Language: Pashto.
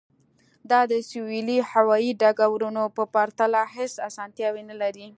دا د سویلي هوایی ډګرونو په پرتله هیڅ اسانتیاوې نلري